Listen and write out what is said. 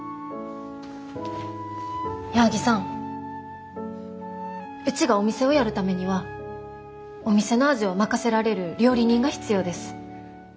矢作さんうちがお店をやるためにはお店の味を任せられる料理人が必要です。